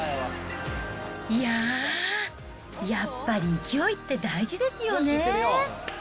いやー、やっぱり勢いって大事ですよね。